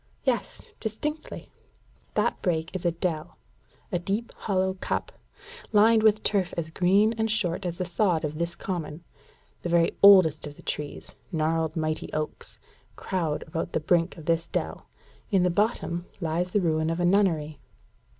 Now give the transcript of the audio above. "Yes, distinctly." "That break is a dell a deep hollow cup, lined with turf as green and short as the sod of this Common: the very oldest of the trees, gnarled mighty oaks, crowd about the brink of this dell; in the bottom lie the ruins of a nunnery.